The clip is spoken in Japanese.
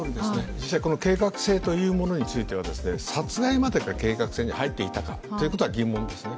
実際、この計画性というものについては殺害までが計画性に入ってたかということは疑問ですね。